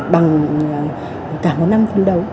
bằng cả một năm phần đầu